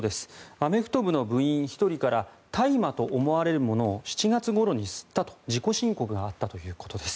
アメフト部の部員１人から大麻と思われるものを７月ごろに吸ったと自己申告があったということです。